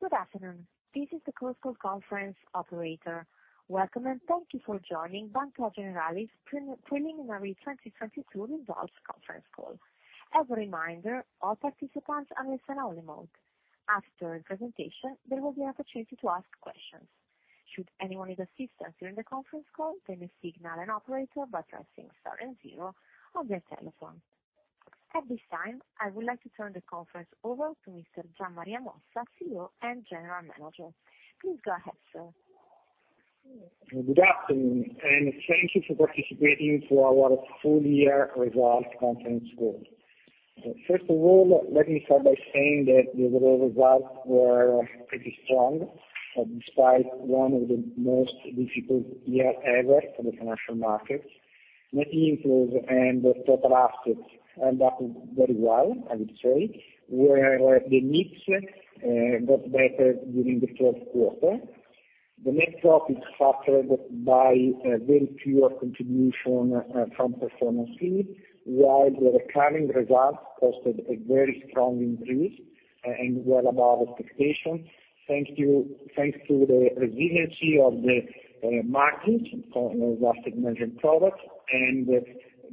Good afternoon. This is the Chorus Call operator. Welcome, and thank you for joining Banca Generali's pre-preliminary 2022 results conference call. As a reminder, all participants are in listen only mode. After the presentation, there will be an opportunity to ask questions. Should anyone need assistance during the conference call, they may signal an operator by pressing * and 0 on their telephone. At this time, I would like to turn the conference over to Mr. Gian Maria Mossa, CEO and General Manager. Please go ahead, sir. Good afternoon, thank you for participating to our full year results conference call. First of all, let me start by saying that the overall results were pretty strong, despite one of the most difficult year ever for the financial markets. Net interest and total assets end up very well, I would say, where the mix got better during the fourth quarter. The net profit is factored by a very pure contribution from performance fee, while the recurring results posted a very strong increase and well above expectations. Thank you. Thanks to the resiliency of the margins for asset management products and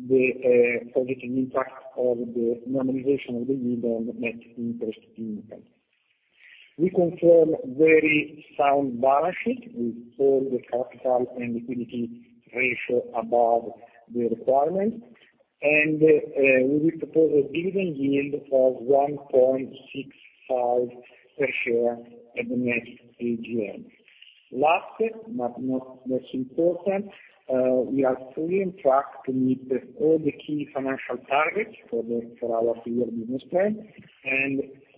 the positive impact of the normalization of the yield on net interest income. We confirm very sound balance sheet with all the capital and liquidity ratio above the requirement, we will propose a dividend yield of 1.65 per share at the next AGM. Last but not less important, we are fully on track to meet all the key financial targets for our three-year business plan.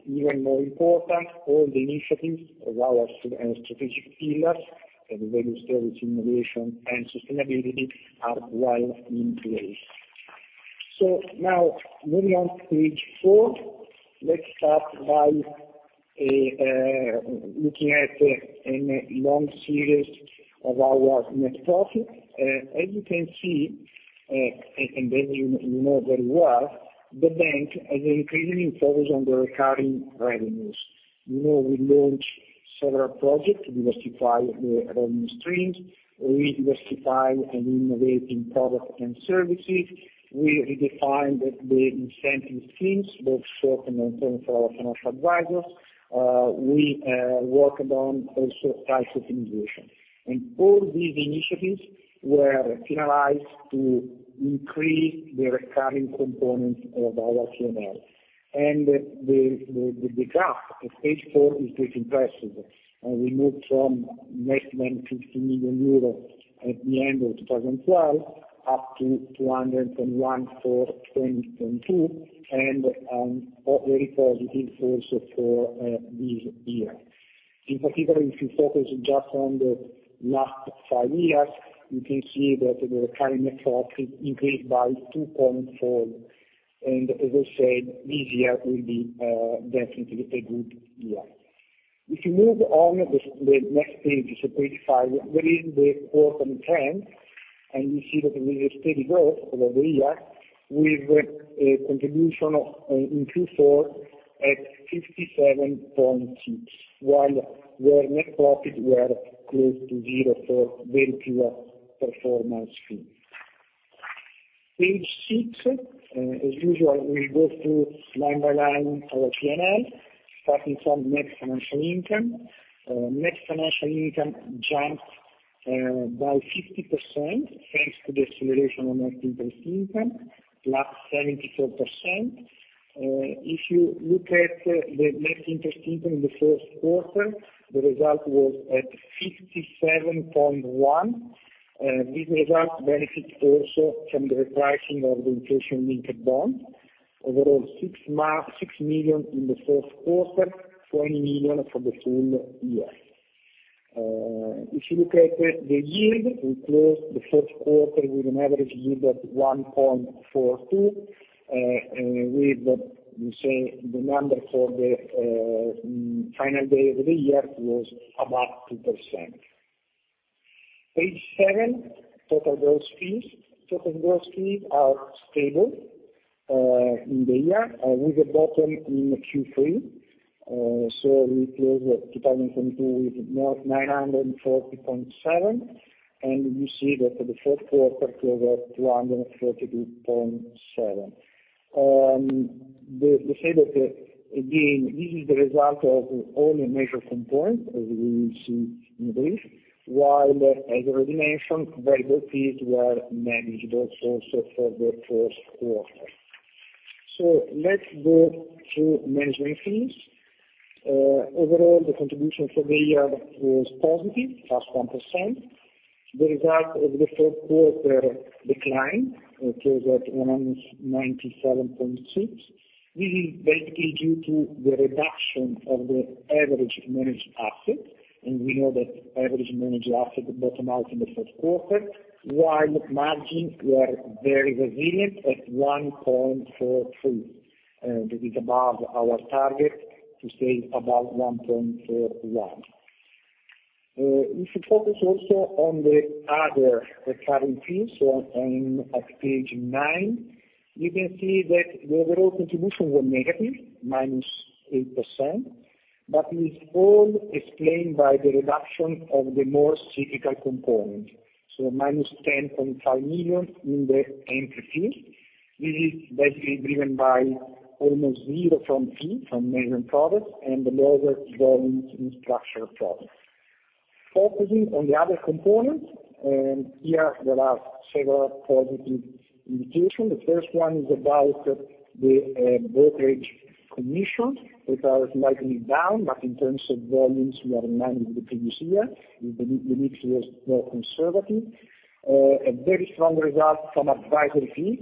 Even more important, all the initiatives of our strategic pillars, the value service, innovation and sustainability are well in place. Now moving on to page 4. Let's start by looking at in a long series of our net profit. As you can see, you know very well, the bank has an increasing focus on the recurring revenues. You know, we launched several projects to diversify the revenue streams, rediversify and innovate in product and services. We redefined the incentive schemes, both short and long term for our Financial Advisors. We worked on also price optimization. All these initiatives were finalized to increase the recurring components of our PNL. The graph at page four is very impressive. We moved from less than 50 million euros at the end of 2012, up to 201 million for 2022. Very positive also for this year. In particular, if you focus just on the last five years, you can see that the recurring net profit increased by 2.4. As I said, this year will be definitely a good year. You move on the next page five, within the fourth and tenth, you see that there is a steady growth over the year with a contribution in Q4 at 67.6, while our net profit were close to zero for very pure performance fee. Page six. As usual, we go through line by line our PNL, starting from net financial income. Net financial income jumped by 50%, thanks to the acceleration of net interest income, plus 74%. You look at the net interest income in the first quarter, the result was at 67.1. This result benefit also from the repricing of the inflation-linked bond. Overall, 6 million in the first quarter, 20 million for the full year. If you look at the yield, we closed the first quarter with an average yield of 1.42%. We say the number for the final day of the year was about 2%. Page 7. Total gross fees. Total gross fees are stable in the year, with a bottom in Q3. We closed 2022 with 940.7, and you see that for the fourth quarter closed at 232.7. They say that again, this is the result of all the major components, as we will see in brief. While as already mentioned, variable fees were manageable also for the first quarter. Let's go through management fees. Overall, the contribution for the year was positive, +1%. The result of the fourth quarter decline closed at -97.6. This is basically due to the reduction of the average managed assets. We know that average managed assets bottom out in the first quarter, while margins were very resilient at 1.43%. that is above our target to stay above 1.41%. If you focus also on the other recurring fees on, at page 9, you can see that the overall contribution were negative, -8%, it is all explained by the reduction of the more cyclical component. Minus 10.5 million in the entry fee is basically driven by almost zero from fee, from management products and the lower volumes in structural products. Focusing on the other components, here there are several positive indications. The first one is about the brokerage commission, which are slightly down, but in terms of volumes, we are in line with the previous year. The mix was more conservative. A very strong result from advisory fees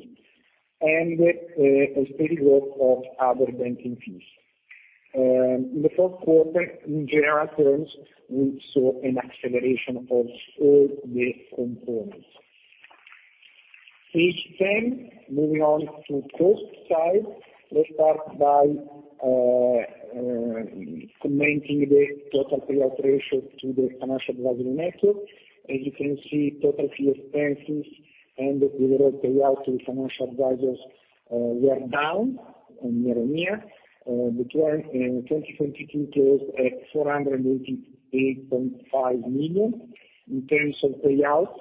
and a steady growth of other banking fees. In the fourth quarter, in general terms, we saw an acceleration of all the components. Page 10. Moving on to cost side. Let's start by commenting the total payout ratio to the financial advisory network. As you can see, total fee expenses and the overall payout to financial advisors were down year-on-year. The 2022 closed at 488.5 million. In terms of payout,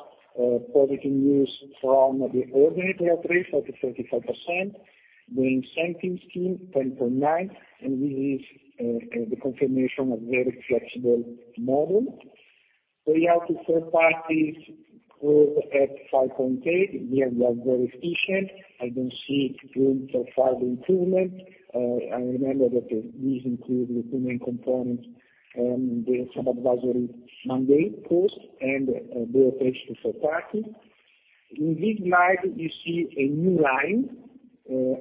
positive news from the ordinary payout rate of 35%. The incentive scheme, 10.9. This is the confirmation of very flexible model. Payout to third parties growth at 5.8%. Here we are very efficient. I don't see rooms for further improvement. I remember that this includes the two main components, the sub-advisory mandate cost and brokerage to third party. In this slide, you see a new line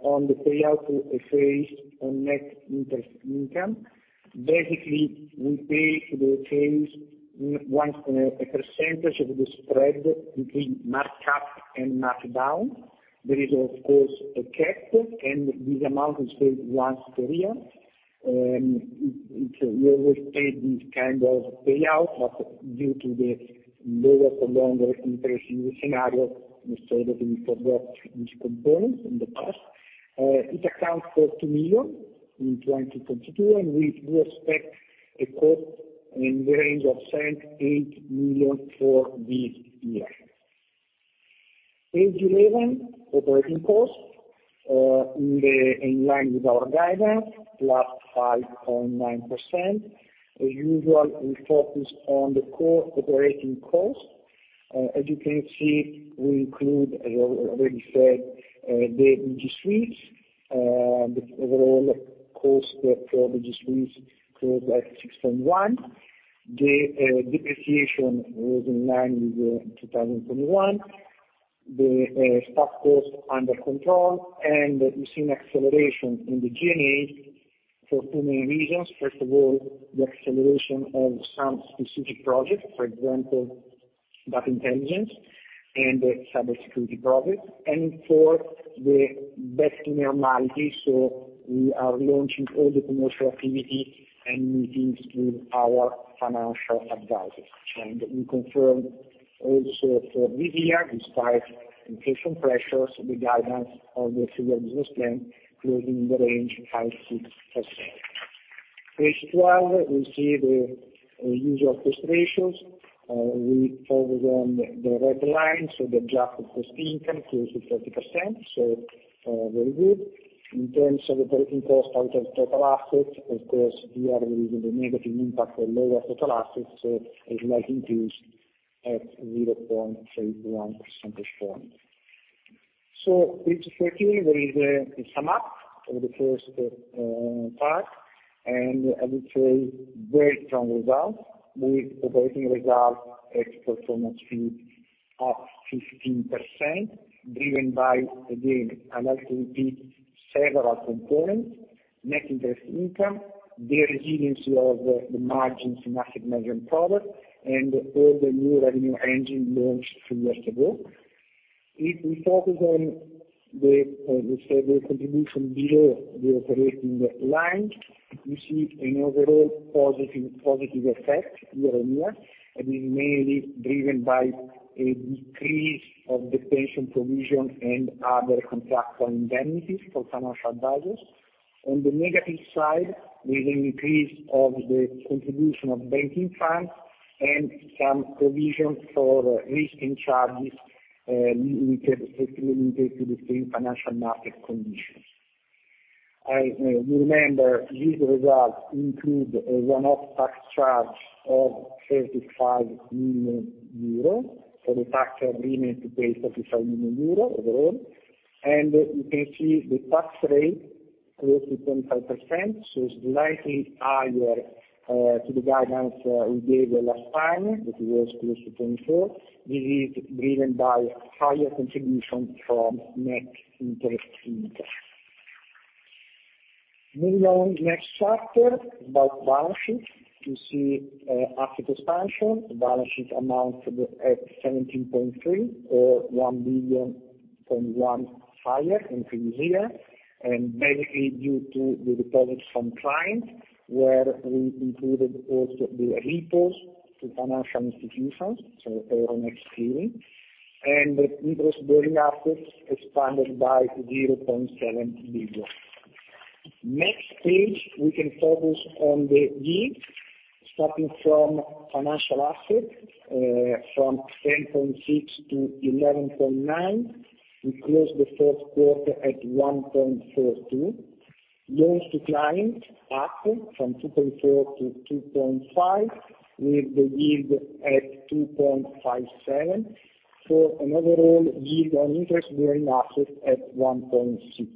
on the payout to FAs on net interest income. Basically, we pay the FAs once in a percentage of the spread between mark-up and mark-down. There is of course a cap. This amount is paid once per year. It, we always paid this kind of payout, due to the lower for longer interest scenario, we saw that we forgot this component in the past. It accounts for 2 million in 2022, we expect a cost in the range of 7-8 million for this year. Page 11, operating costs, in line with our guidance, flat 5.9%. As usual, we focus on the core operating costs. As you can see, we include, as I already said, the registry. The overall cost per registry closed at 6.1. Depreciation was in line with 2021. Staff costs under control, we've seen acceleration in the G&A for two main reasons. First of all, the acceleration of some specific projects, for example, data intelligence and cybersecurity projects. Fourth, the back to normality, we are relaunching all the commercial activity and meetings with our financial advisors. We confirm also for this year despite inflation pressures, the guidance of the three-year business plan closing in the range 5%-6%. Page 12, we see the usual cost ratios. We follow them the right line, so the adjusted cost/income close to 30%, very good. In terms of operating costs out of total assets, of course, here there is a negative impact on lower total assets, so a slight increase at 0.31 percentage point. Page 13, there is a sum up of the first part, and I would say very strong results with operating results at performance fee up 15%, driven by, again, I'd like to repeat several components, net interest income, the resiliency of the margins in asset management product, and all the new revenue engine launched 2 years ago. If we focus on the contribution below the operating line, we see an overall positive effect year-on-year, is mainly driven by a decrease of the pension provision and other contractual indemnities for Financial Advisors. On the negative side, there's an increase of the contribution of banking funds and some provisions for risk and charges, limited to the same financial market conditions. I remember these results include a one-off tax charge of 35 million euro for the tax agreement to pay 35 million euro overall. You can see the tax rate close to 25%, so slightly higher to the guidance we gave last time, that was close to 24%. This is driven by higher contribution from net interest income. Moving on next chapter about balance sheet. You see asset expansion. Balance sheet amounts at 17.3 or 1 billion-From one fire in three years, mainly due to the deposits from clients, where we included also the repos to financial institutions. Our next hearing. The interest-bearing assets expanded by 0.7 billion. Next page, we can focus on the yield, starting from financial assets, from 10.6%-11.9%. We closed the first quarter at 1.42%. Loans to clients up from 2.4%-2.5%, with the yield at 2.57%. An overall yield on interest-bearing assets at 1.6%.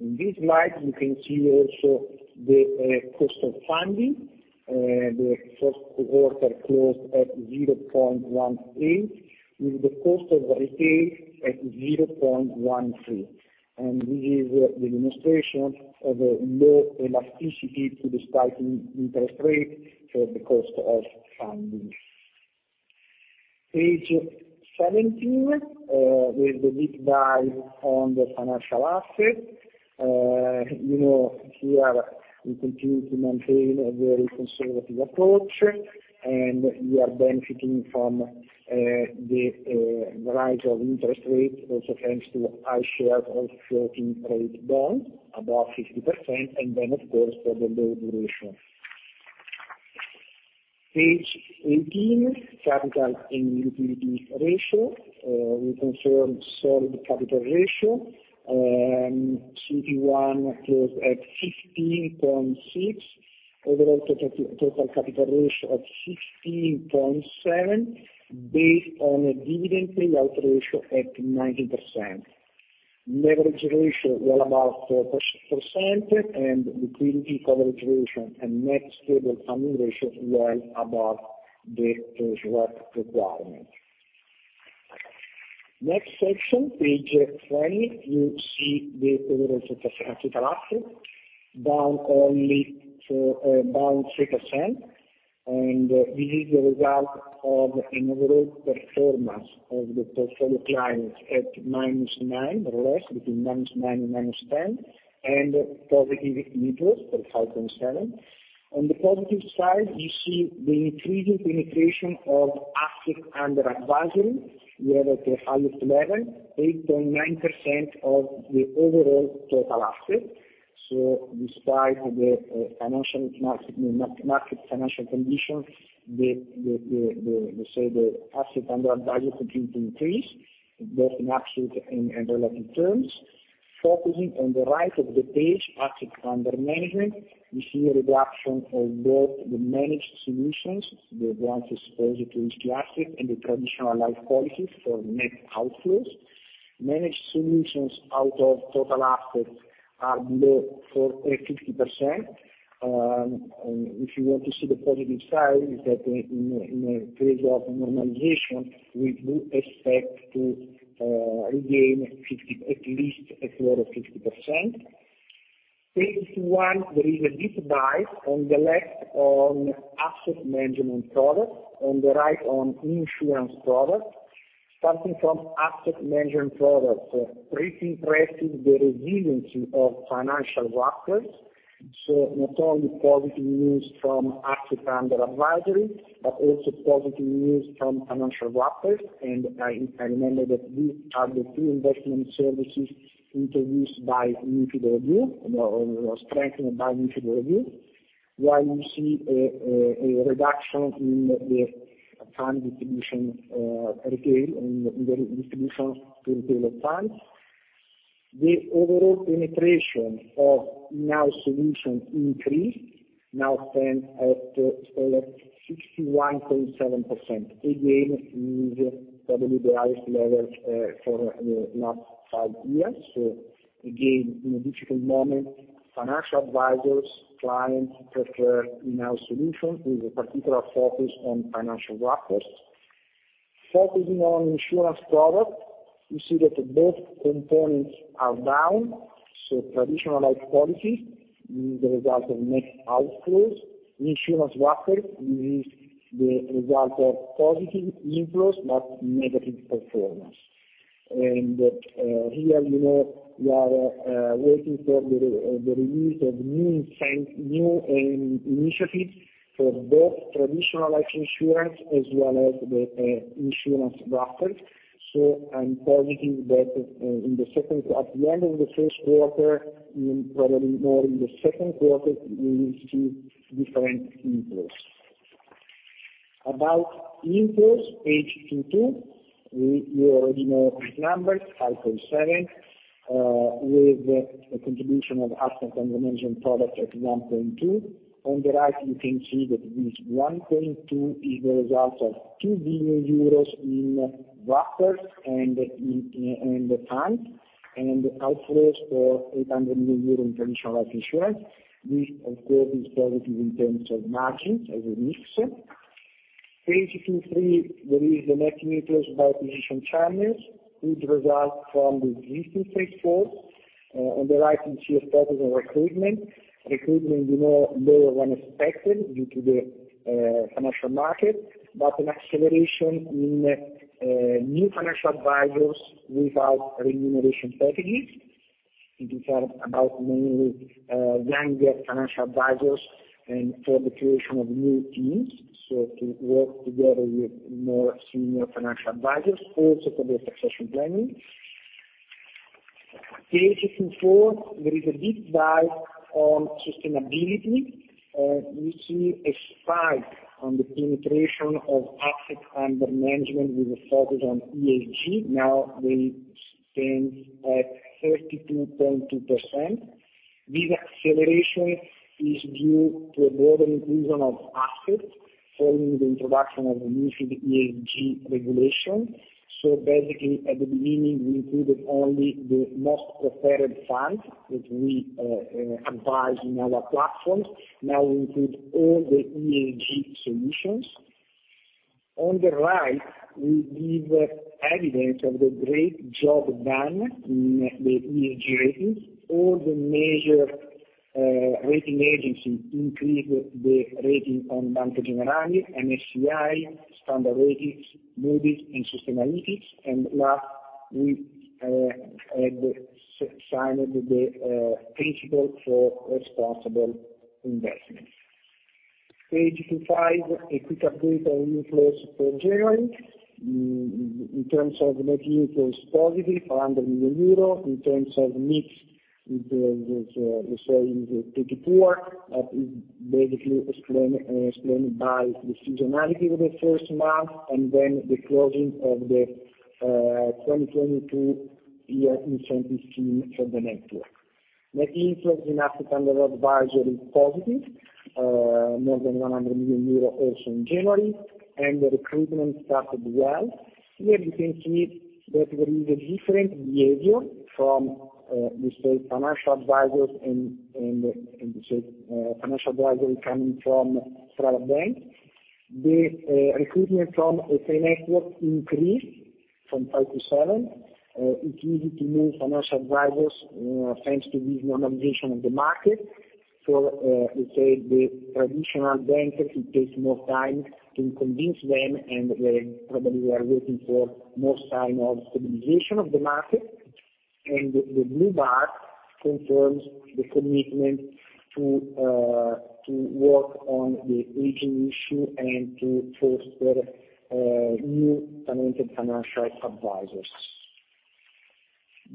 In this slide, you can see also the cost of funding. The first quarter closed at 0.18%, with the cost of retail at 0.13%. This is the demonstration of a low elasticity to the spike in interest rates for the cost of funding. Page 17, with the deep dive on the financial assets. You know, here we continue to maintain a very conservative approach, and we are benefiting from the rise of interest rates, also thanks to high shares of floating rate bonds above 50%, and then of course, for the low duration. Page 18, capital and liquidity ratio. We confirm solid capital ratio. CET1 closed at 15.6. Overall total capital ratio at 16.7, based on a dividend payout ratio at 90%. Leverage ratio well above 4%, and liquidity coverage ratio and net stable funding ratio well above the required. Next section, page 20. You see the overall total assets down only 4, down 6%. This is the result of an overall performance of the portfolio clients at -9% or less, between -9% and -10%, and positive interest of 5.7%. On the positive side, you see the increasing penetration of assets under advisory. We are at the highest level, 8.9% of the overall total assets. Despite the financial market financial conditions, the assets under advisory continue to increase, both in absolute and relative terms. Focusing on the right of the page, assets under management, we see a reduction of both the Managed Solutions, the branches exposure to assets, and the Traditional Life Policies for net outflows. Managed Solutions out of total assets are below 50%. If you want to see the positive side is that in a phase of normalization, we do expect to regain 50, at least a quarter of 50%. Page 21, there is a deep dive on the left on asset management products, on the right on insurance products. Starting from asset management products, pretty impressive, the resiliency of financial wrappers. Not only positive news from assets under advisory, but also positive news from financial wrappers. I remember that these are the two investment services introduced by Intesa Sanpaolo, or strengthened by Intesa Sanpaolo. While you see a reduction in the fund distribution, retail, in the distribution to retail funds. The overall penetration of in-house solutions increased, now stands at 61.7%. Again, it is probably the highest level, for, you know, 5 years. Again, in a difficult moment, financial advisors, clients prefer in-house solutions with a particular focus on financial wrappers. Focusing on insurance products, you see that both components are down. Traditional life policies is the result of net outflows. Insurance wrappers is the result of positive inflows, but negative performance. Here, you know, we are waiting for the release of new science, new initiatives for both traditional life insurance as well as the insurance wrappers. I'm positive that in the second. At the end of the first quarter, and probably more in the second quarter, we will see different inflows. About inflows, page 22. You already know these numbers, 5.7 with a contribution of assets under management products at 1.2. On the right, you can see that this 1.2 is the result of 2 billion euros in wrappers and in the funds, and outflows for 800 million euros in traditional life insurance. This, of course, is positive in terms of margins as a mix. Page 23, there is the net inflows by position channels, good results from the existing base force. On the right, you see a focus on recruitment. Recruitment, you know, lower than expected due to the financial market. An acceleration in new financial advisors without remuneration strategies. It is about mainly younger financial advisors and for the creation of new teams. To work together with more senior financial advisors, also for the succession planning. Page 54, there is a deep dive on sustainability. We see a spike on the penetration of asset under management with a focus on ESG. Now they stand at 32.2%. This acceleration is due to a broader inclusion of assets following the introduction of the new ESG regulation. Basically, at the beginning, we included only the most preferred funds that we advise in our platforms. Now we include all the ESG solutions. On the right, we give evidence of the great job done in the ESG ratings. All the major rating agencies increased the rating on Banca Generali, MSCI, Standard Ethics, Moody's, and Sustainalytics. Last, we had signed the Principles for Responsible Investment. Page 25, a quick update on inflows for Generali. In terms of net inflows, positive, 100 million euro. In terms of mix with the saying, the pretty poor, that is basically explained by the seasonality of the first month, and then the closing of the 2022 year incentive scheme for the network. Net inflows in asset under advisory is positive, 100 million euros also in January, and the recruitment started well. Here you can see that there is a different behavior from, let's say, financial advisors and, let's say, financial advisors coming from Sella Bank. The recruitment from Sella network increased from 5 to 7. It's easy to move financial advisors, thanks to this normalization of the market. Let's say the traditional bankers, it takes more time to convince them, and they probably are waiting for more sign of stabilization of the market. The blue bar confirms the commitment to work on the aging issue and to foster new talented financial advisors.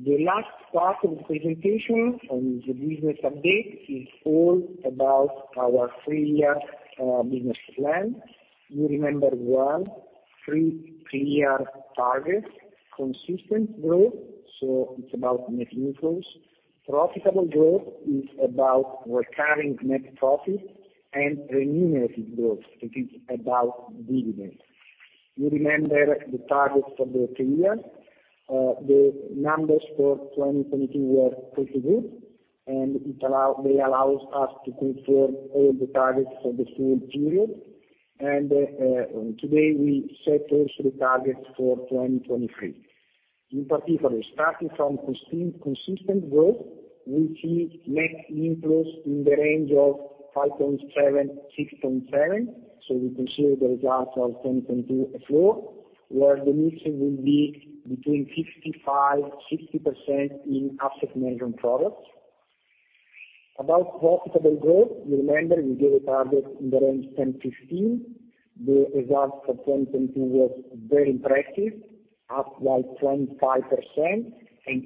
The last part of the presentation on the business update is all about our three-year business plan. You remember well, three clear targets, consistent growth, so it's about net inflows. Profitable growth is about recurring net profit and remunerative growth. It is about dividend. You remember the targets for the three years. The numbers for 2022 were pretty good, and they allows us to confirm all the targets for the full period. Today, we set also the targets for 2023. In particular, starting from consistent growth, we see net inflows in the range of 5.7-6.7. We consider the results of 2022 as low, where the mixing will be between 55%-60% in asset management products. About profitable growth, you remember we gave a target in the range 10%-15%. The result for 2022 was very impressive, up by 25%.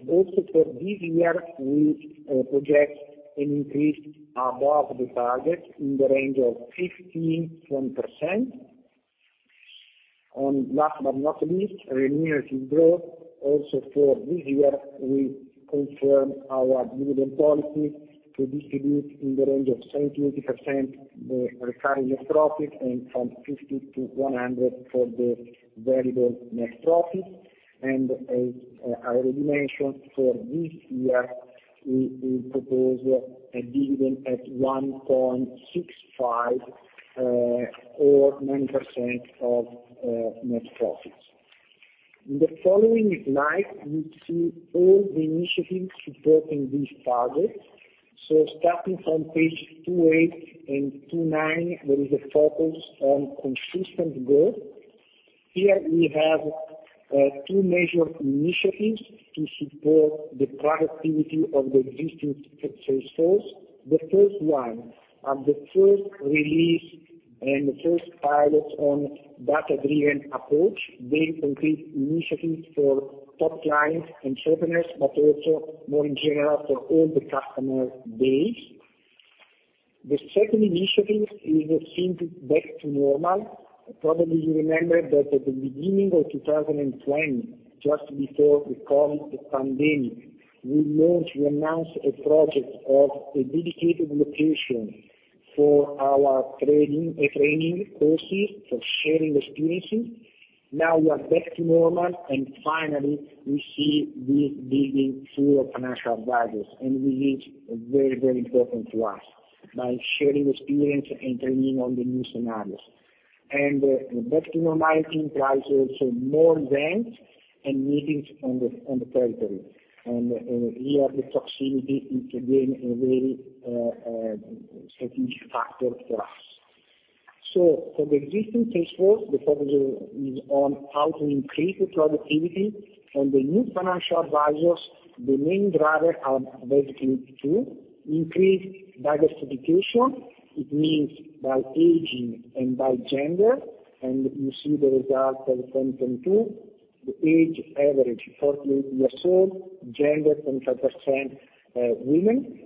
Also for this year, we project an increase above the target in the range of 15%-10%. Last but not least, remunerative growth. Also for this year, we confirm our dividend policy to distribute in the range of 70%-80% the recurring net profit and from 50% to 100% for the variable net profit. As I already mentioned, for this year, we propose a dividend at 1.65 or 9% of net profits. In the following slide, you see all the initiatives supporting these targets. Starting from page 28 and 29, there is a focus on consistent growth. Here we have 2 major initiatives to support the productivity of the existing salesforce. The first one, are the first release and the first pilot on data-driven approach. Very concrete initiatives for top line and surplus, but also more in general for all the customer base. The second initiative is Think Back to Normal. Probably you remember that at the beginning of 2020, just before the COVID pandemic, we launched, we announced a project of a dedicated location for our trading, training courses, for sharing experiences. Now we are back to normal, and finally, we see this building full of financial advisors, and this is very, very important to us by sharing experience and training on the new scenarios. That normalization implies also more events and meetings on the territory. Here the proximity is again a very strategic factor for us. For the existing case force, the focus is on how to increase the productivity. The new financial advisors, the main driver are basically two, increased diversification. It means by aging and by gender. You see the results of 2022, the age average 48 years old, gender, 25% women.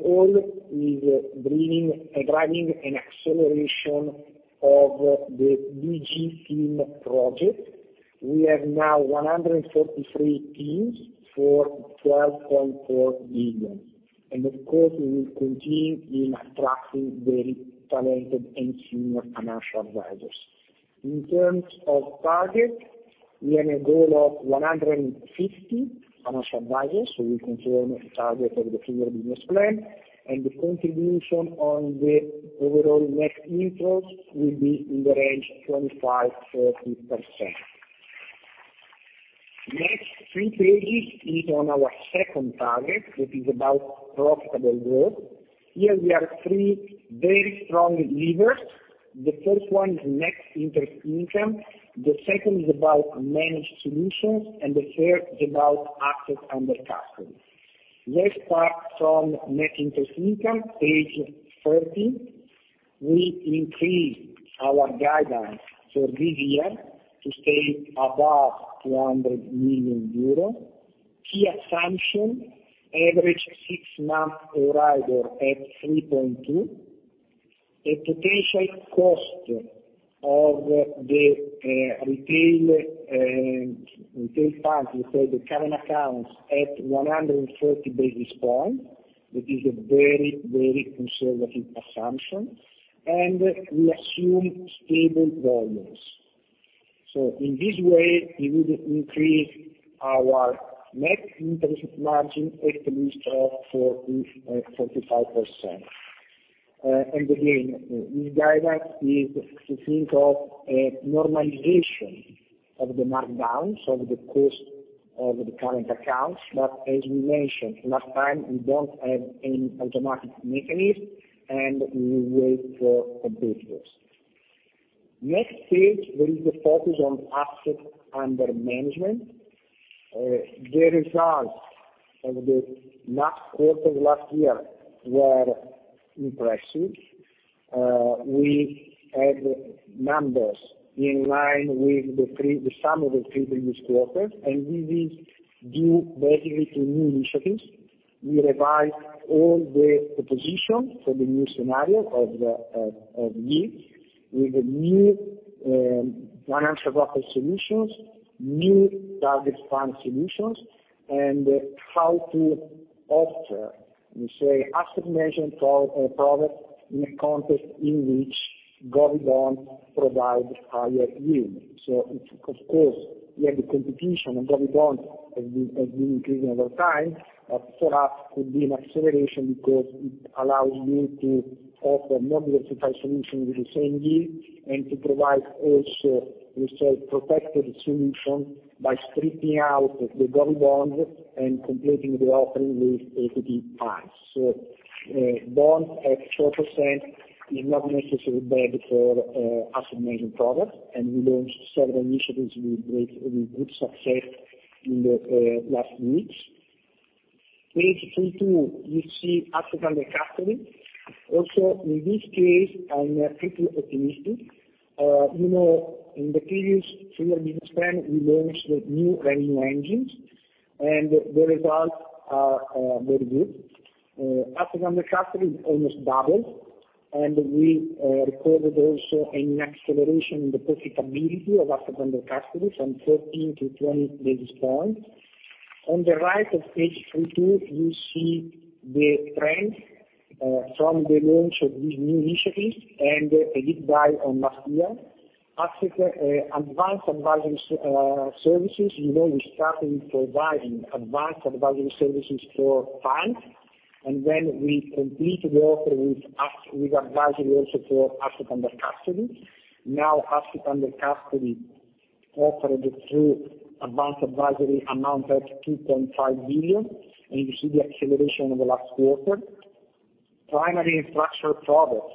All is bringing and driving an acceleration of the BG team project. We have now 143 teams for 12.4 billion. Of course, we will continue in attracting very talented and senior financial advisors. In terms of target, we have a goal of 150 financial advisors. We confirm the target of the three-year business plan, and the contribution on the overall net inflows will be in the range of 25%-40%. Next 3 pages is on our second target, that is about profitable growth. Here we have 3 very strong levers. The first one is net interest income, the second is about managed solutions, and the third is about assets under custody. Let's start from net interest income, page 13. We increased our guidance for this year to stay above 200 million euro. Key assumption, average 6-month EURIBOR at 3.2. A potential cost of the retail retail bank, we say the current accounts at 130 basis points, that is a very, very conservative assumption, and we assume stable volumes. In this way, we will increase our net interest margin at least of 45%. And again, this guidance is to think of a normalization of the markdowns of the cost of the current accounts. As we mentioned last time, we don't have any automatic mechanism, and we wait for a bid request. Next page will be the focus on assets under management. The results of the last quarter of last year were impressive. We had numbers in line with the sum of the previous quarters, and this is due basically to new initiatives. We revised all the positions for the new scenario of yields with new financial product solutions, new target fund solutions, and how to offer, we say, asset management products in a context in which gov bonds provide higher yields. Of course, we have the competition of gov bonds has been increasing over time. For us could be an acceleration because it allows you to offer more diversified solutions with the same yield, and to provide also, we say, protected solutions by stripping out the gov bonds and completing the offering with equity funds. Bonds at 4% is not necessarily bad for asset management products. We launched several initiatives with good success in the last weeks. Page 22, you see assets under custody. Also, in this case, I'm pretty optimistic. You know, in the previous 3-year business plan, we launched new revenue engines, and the results are very good. Assets under custody almost doubled. We recorded also an acceleration in the profitability of assets under custody from 13 to 20 basis points. On the right of page 22, you see the trends from the launch of these new initiatives and a deep dive on last year. Asset advanced advisory services, you know, we started providing advanced advisory services for funds, and then we completed the offer with advisory also for assets under custody. Now, assets under custody offered through advanced advisory amount at 2.5 billion, you see the acceleration in the last quarter. Primary and structured products.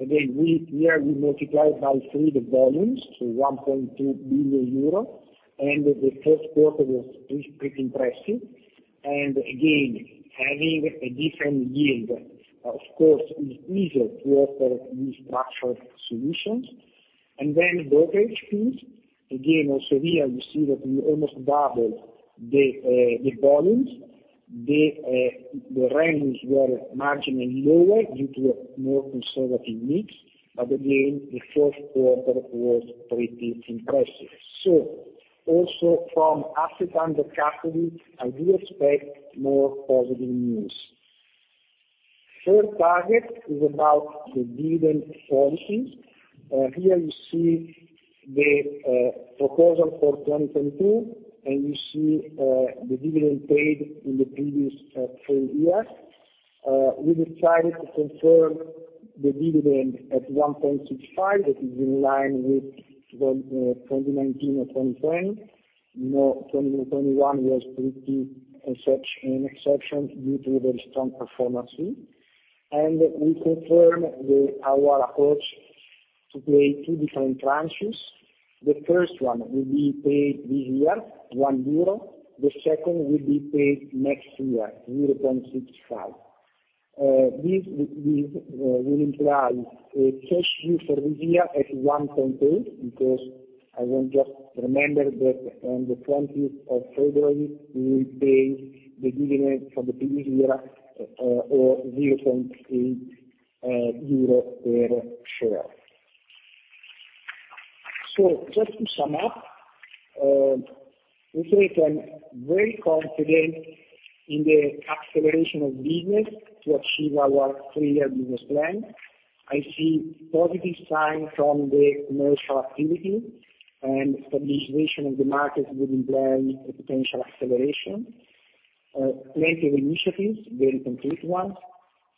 Again, we, here we multiplied by 3 the volumes, so 1.2 billion euro. The first quarter was pretty impressive. Again, having a different yield, of course, is easier to offer these structured solutions. Then brokerage fees. Again, also here you see that we almost doubled the volumes. The revenues were marginally lower due to a more conservative mix. Again, the first quarter was pretty impressive. Also from assets under custody, I do expect more positive news. Third target is about the dividend policy. Here you see the proposal for 2022, and you see the dividend paid in the previous 3 years. We decided to confirm the dividend at 1.65. That is in line with the 2019 and 2020. You know, 2021 was an exception due to the very strong performance here. We confirm our approach to pay two different tranches. The first one will be paid this year, 1 euro. The second will be paid next year, 0.65 euro. This will imply a cash view for this year at 1.8, because I want just remember that on the 20th of February we will pay the dividend for the previous year, of 0.8 euro per share. Just to sum up, we say I'm very confident in the acceleration of business to achieve our 3-year business plan. I see positive signs from the commercial activity and stabilization of the market will imply a potential acceleration. Plenty of initiatives, very complete ones.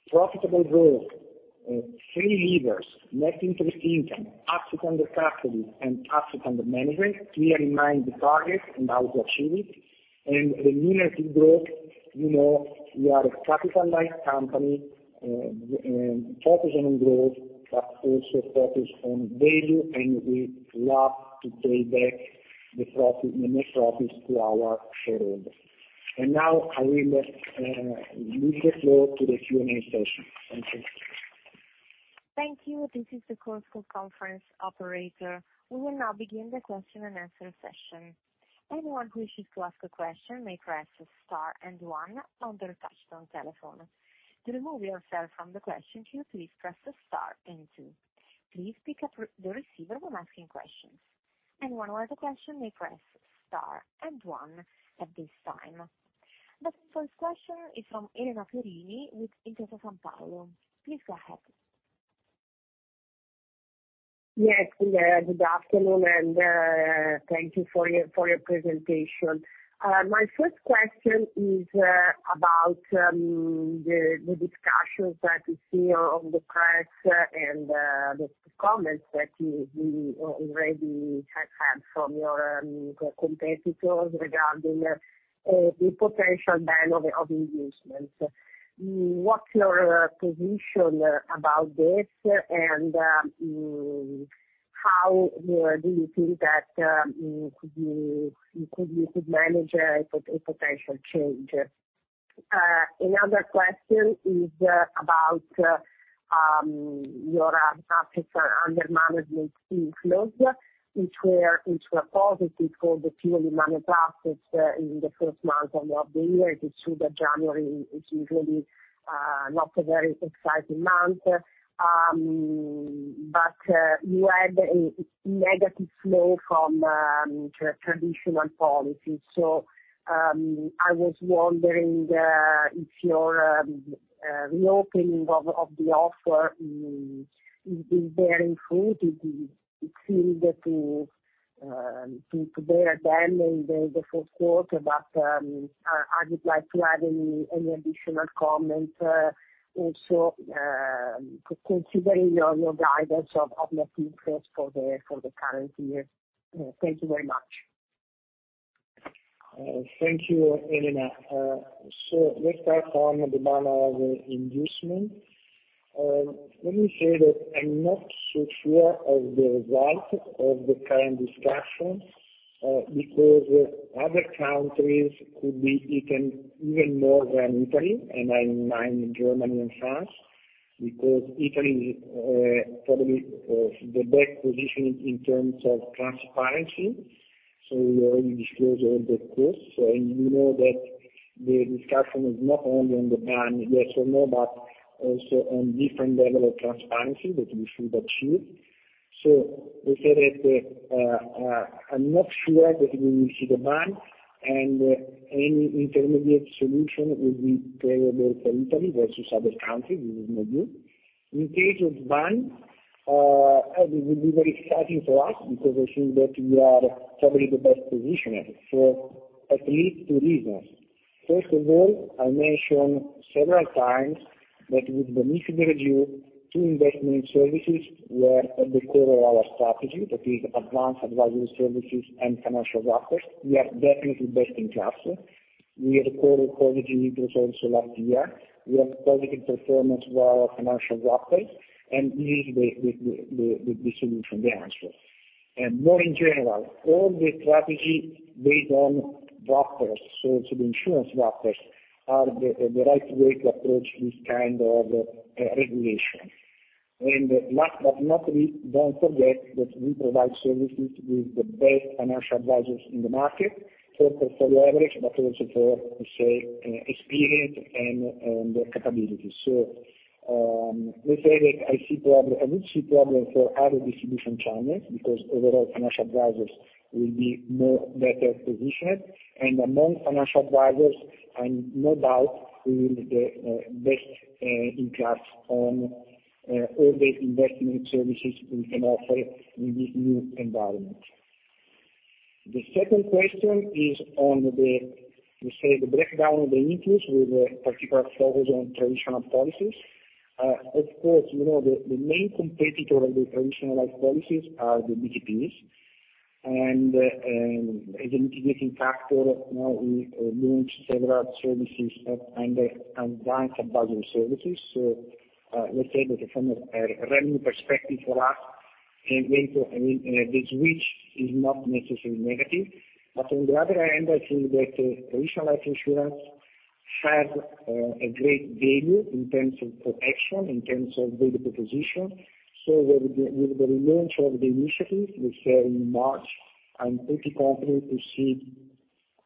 Profitable growth, 3 levers, net interest income, assets under custody and assets under management. Clear in mind the target and how to achieve it. The United Group, you know, we are a capital light company, focusing on growth but also focus on value. We love to pay back the profit, the net profits to our shareholders. Now I will leave the floor to the Q&A session. Thank you. Thank you. This is the conference call conference operator. We will now begin the question-and-answer session. Anyone who wishes to ask a question may press * and 1 on their touchtone telephone. To remove yourself from the question queue, please press * and 2. Please pick up the receiver when asking questions. Anyone who has a question may press * and 1 at this time. The first question is from Elena Perini with Intesa Sanpaolo. Please go ahead. Yes. Good afternoon, thank you for your presentation. My first question is about the discussions that we see on the press, the comments that you already have had from your competitors regarding the potential ban of inducements. What's your position about this, how do you think that you could manage a potential change? Another question is about your assets under management inflows, which were positive for the purely managed assets in the first month of the year. It is true that January is usually not a very exciting month. You had a negative flow from traditional policies. I was wondering if your reopening of the offer is bearing fruit. It seemed to bear them in the fourth quarter. I would like to add any additional comment also considering your guidance of net inflows for the current year. Thank you very much. Thank you, Elena. Let's start on the ban of inducement. Let me say that I'm not so sure of the result of the current discussion, because other countries could be even more than Italy, and I mean Germany and France, because Italy is probably the best positioned in terms of transparency. We already disclosed all the costs. You know that the discussion is not only on the ban, yes or no, but also on different level of transparency that we feel that too. Let's say that I'm not sure that we will see the ban, and any intermediate solution will be favorable for Italy versus other countries. This is my view. In case of ban, it would be very exciting for us because I think that we are probably the best positioned for at least two reasons. I mentioned several times that with Banif and review, two investment services were at the core of our strategy. That is Advanced Advisory Services and Financial Wrappers. We are definitely best in class. We are core deposit also last year. We have positive performance for our Financial Wrappers, and this is the solution, the answer. More in general, all the strategies based on wrappers, so the Insurance Wrappers are the right way to approach this kind of regulation. Last but not least, don't forget that we provide services with the best Financial Advisors in the market, first for the average, but also for, let's say, experience and the capabilities. Let's say that I don't see problem for other distribution channels because overall financial advisors will be more better positioned. Among financial advisors, I'm no doubt we will be the best in class on all the investment services we can offer in this new environment. The second question is on the, let's say, the breakdown of the increase with a particular focus on traditional policies. Of course, you know, the main competitor of the traditional life policies are the BTPs and, as a mitigating factor, you know, we launched several services and advanced advisory services. Let's say that from a revenue perspective for us, I mean, the switch is not necessarily negative. I think that traditional life insurance has a great value in terms of protection, in terms of value proposition. With the relaunch of the initiative, let's say in March, I'm pretty confident to see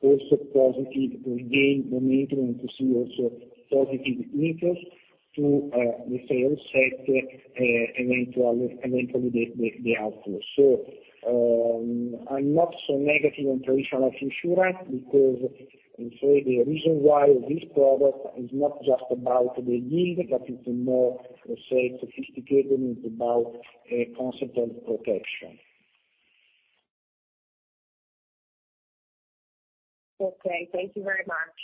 also positive regain momentum, to see also positive interest to, let's say, offset eventually the outflow. I'm not so negative on traditional life insurance because, let's say, the reason why this product is not just about the yield, but it's a more, let's say, sophisticated, it's about a concept of protection. Okay, thank you very much.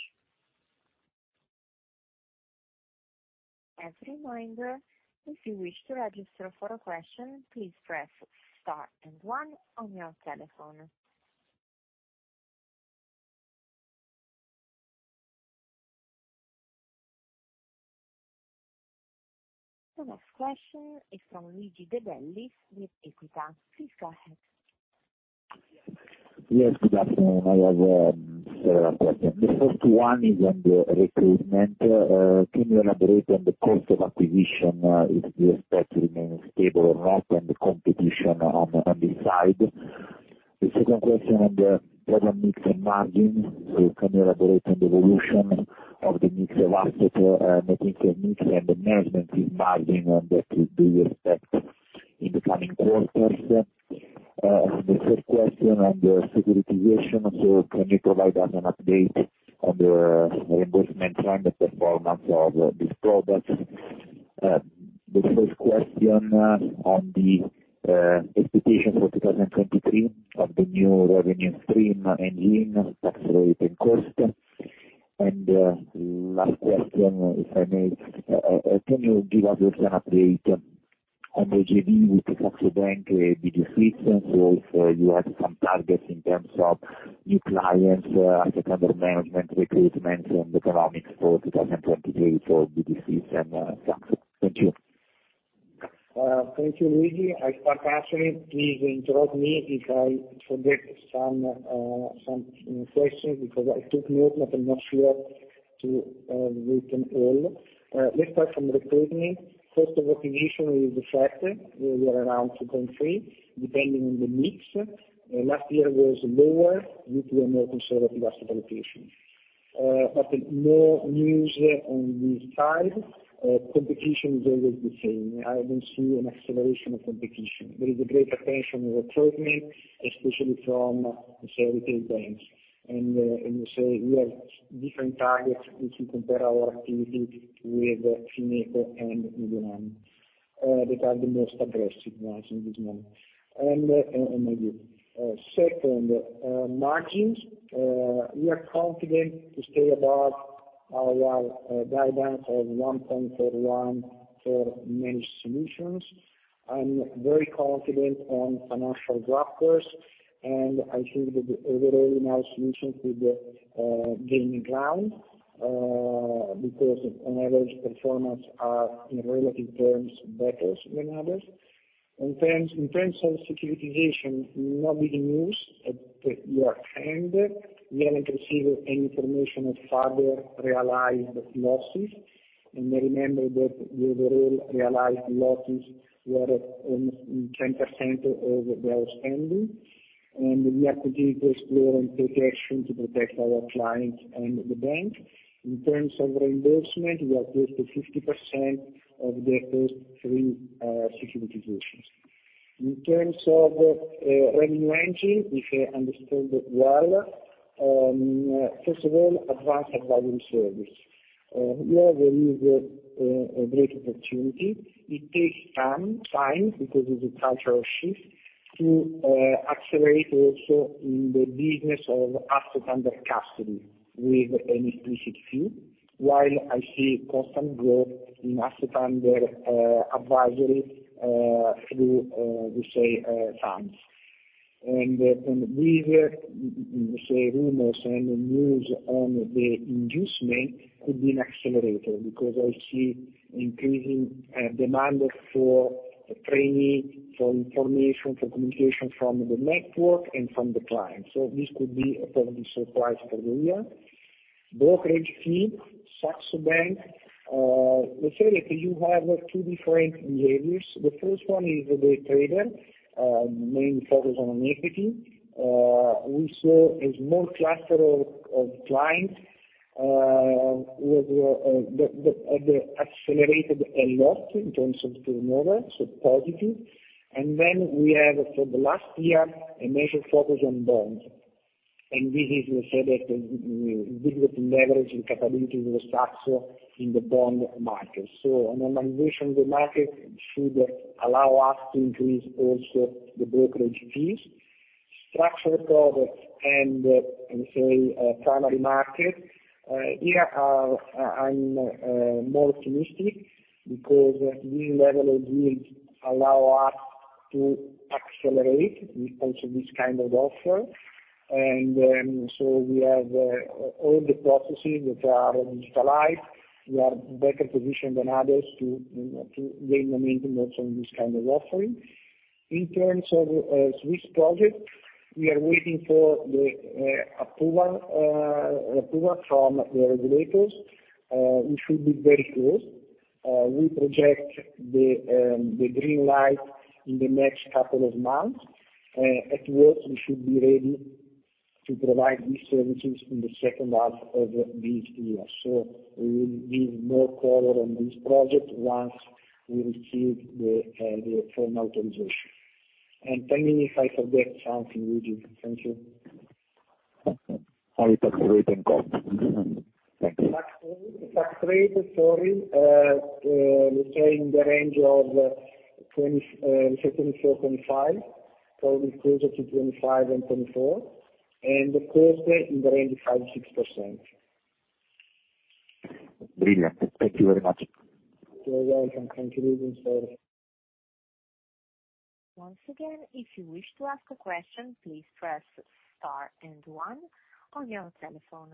As a reminder, if you wish to register for a question, please press * and 1 on your telephone. The next question is from Luigi De Bellis with EQUITA. Please go ahead. Yes, good afternoon. I have several questions. The first one is on the recruitment. Can you elaborate on the cost of acquisition, if you expect to remain stable or not, and the competition on this side? The second question on the product mix and margins. Can you elaborate on the evolution of the mix of assets, net income mix and the management fee margin, and that you do expect in the coming quarters? The third question on the securitization. Can you provide us an update on the reimbursement trend and performance of these products? The fourth question on the expectation for 2023 of the new revenue stream engine, tax rate and cost. Last question, if I may? Can you give us also an update on the JV with Saxo Bank, BG Saxo SIM, or if you have some targets in terms of new clients, assets under management, recruitments and economics for 2023 for BG Saxo SIM, Saxo? Thank you. Thank you, Luigi De Bellis. I'll start actually. Please interrupt me if I forget some questions, because I took notes, but I'm not sure to written all. Let's start from the recruitment. Cost of acquisition is flat. We are around 2.3, depending on the mix. Last year was lower due to a more conservative asset allocation. No news on this side. Competition is always the same. I don't see an acceleration of competition. There is a great attention on recruitment, especially from, let's say, retail banks. We say we have different targets if you compare our activities with FinecoBank and illimity, that are the most aggressive ones in this moment. Maybe. Second, margins. We are confident to stay above our guidance of 1.31% for managed solutions. I'm very confident on financial wrappers. I think that the overall now solution could gain ground because on average performance are, in relative terms, better than others. In terms of securitization, not big news at your hand. We haven't received any information of further realized losses. Remember that the overall realized losses were almost 10% of our spending. We are continuing to explore and take action to protect our clients and the bank. In terms of reimbursement, we are close to 50% of the first 3 securitizations. In terms of revenue engine, if I understood well, first of all, advanced advisory service. Here there is a great opportunity. It takes time because it's a cultural shift to accelerate also in the business of asset under custody with an explicit fee. While I see constant growth in asset under advisory through we say funds. These, say, rumors and news on the inducements could be an accelerator, because I see increasing demand for training, for information, for communication from the network and from the clients. This could be a positive surprise for the year. Brokerage fee, Saxo Bank. Let's say that you have two different behaviors. The first one is the trader, mainly focused on equity. We saw a small cluster of clients that have accelerated a lot in terms of turnover, so positive. We have for the last year, a major focus on bonds. This is, we say that, we will leverage the capabilities of the structure in the bond market. A normalization of the market should allow us to increase also the brokerage fees, structural products and, let me say, primary market. I'm more optimistic because the level of yield allow us to accelerate with also this kind of offer. We have all the processes which are digitalized. We are better positioned than others to, you know, to gain momentum also in this kind of offering. In terms of Swiss project, we are waiting for the approval from the regulators. We should be very close. We project the green light in the next couple of months. At worst, we should be ready to provide these services in the second half of this year. We will give more color on this project once we receive the formal authorization. Tell me if I forget something, Luigi. Thank you. Only tax rate and cost. Thank you. Tax rate, sorry. Let's say in the range of let's say 24, 25. Probably closer to 25 than 24. The cost is in the range of 5%-6%. Brilliant. Thank you very much. You're welcome. Thank you, Luigi, sorry. Once again, if you wish to ask a question, please press * and 1 on your telephone.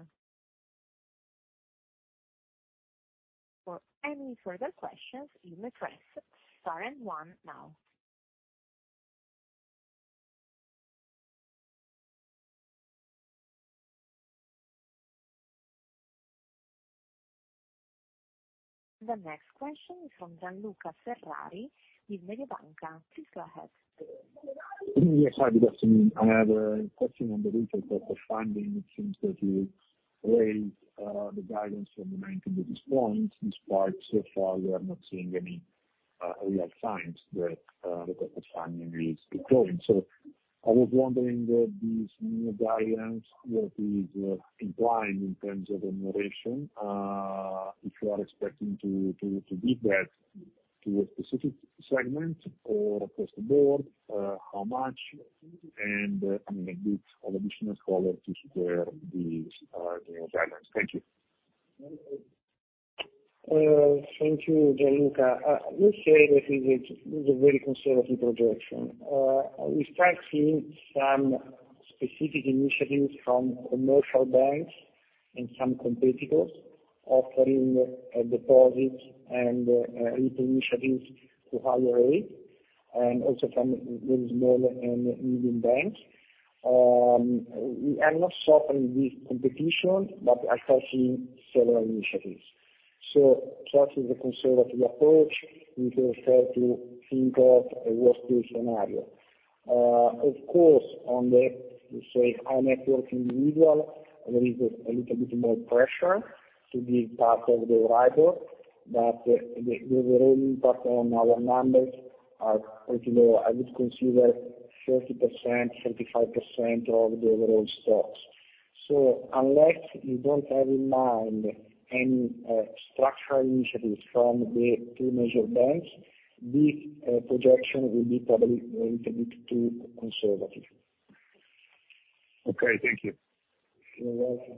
For any further questions, you may press * and 1 now. The next question is from Gianluca Ferrari with Mediobanca. Please go ahead, sir. Yes. Hi, good afternoon. I have a question on the retail cost of funding. It seems that you raised the guidance from the bank at this point, in spite so far we are not seeing any real signs that the cost of funding is deploying. I was wondering that these new guidance, what is implying in terms of the migration, if you are expecting to give that to a specific segment or across the board, how much and, I mean, a bit of additional color to square these the guidance. Thank you. Thank you, Gianluca. We say that it is a very conservative projection. We start seeing some specific initiatives from commercial banks and some competitors offering deposits and initiatives to higher rate and also from very small and medium banks. We are not certain this competition. I have seen several initiatives. Starting with the conservative approach, we prefer to think of a worst case scenario. Of course, on the, let's say, on network individual, there is a little bit more pressure to be part of the rival. The overall impact on our numbers are pretty low. I would consider 30%, 35% of the overall stocks. Unless you don't have in mind any structural initiatives from the two major banks, this projection will be probably a little bit too conservative. Okay. Thank you. You're welcome.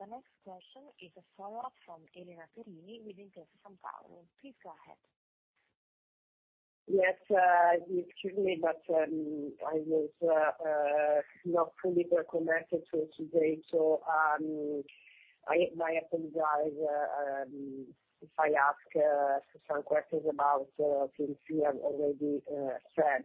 The next question is a follow-up from Elena Perini with Intesa Sanpaolo. Please go ahead. Excuse me, I was not fully connected today, I apologize if I ask some questions about things you have already said.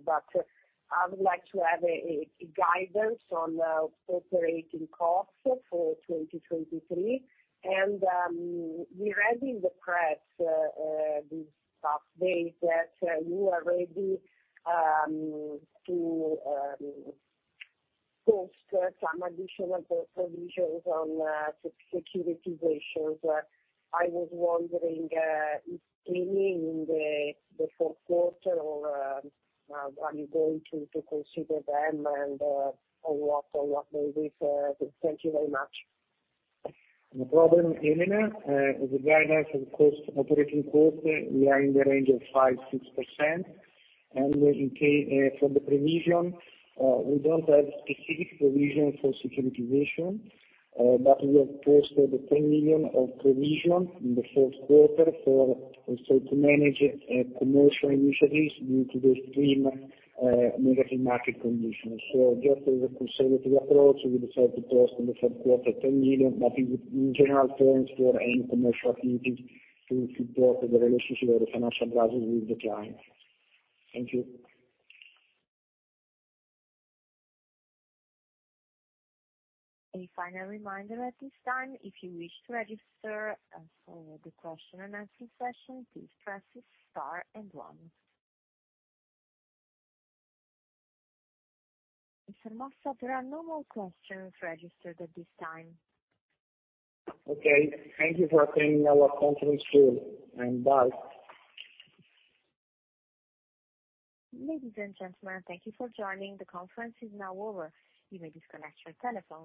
I would like to have a guidance on operating costs for 2023. We read in the press these past days that you are ready to post some additional provisions on solvency ratio. I was wondering if maybe in the fourth quarter or are you going to consider them and on what basis? Thank you very much. No problem, Elena. The guidance, of course, operating cost, we are in the range of 5%-6%. For the provision, we don't have specific provision for securitization, but we have posted 10 million of provision in the first quarter for, let's say, to manage commercial initiatives due to the extreme negative market conditions. Just as a conservative approach, we prefer to post in the third quarter 10 million, but in general terms for any commercial activities to support the relationships or the financial wrappers with the client. Thank you. A final reminder at this time. If you wish to register for the question-and-answer session, please press * and 1. Mr. Mossa, there are no more questions registered at this time. Okay. Thank you for attending our conference call, and bye. Ladies and gentlemen, thank you for joining. The conference is now over. You may disconnect your telephones.